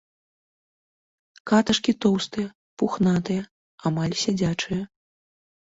Каташкі тоўстыя, пухнатыя, амаль сядзячыя.